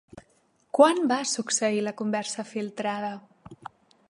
Quan va succeir la conversa filtrada?